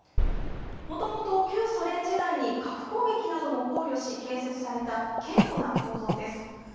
もともと旧ソ連時代に核攻撃なども考慮し建設された堅固な建物です。